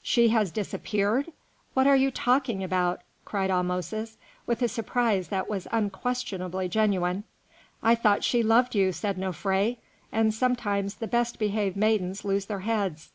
"She has disappeared! what are you talking about?" cried Ahmosis, with a surprise that was unquestionably genuine. "I thought she loved you," said Nofré, "and sometimes the best behaved maidens lose their heads.